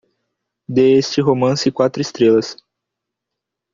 Dê este romance quatro estrelas